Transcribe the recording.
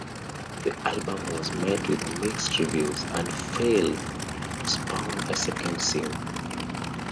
The album was met with mixed reviews, and failed to spawn a second single.